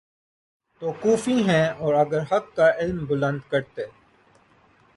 تو کوفی ہیں اور اگر حق کا علم بلند کرتے